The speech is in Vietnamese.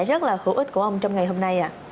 rất là hữu ích của ông trong ngày hôm nay ạ